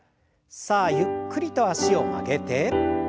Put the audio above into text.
さあゆっくりと脚を曲げて。